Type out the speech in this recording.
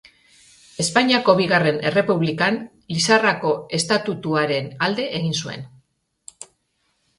Espainiako Bigarren Errepublikan, Lizarrako estatutuaren alde egin zuen.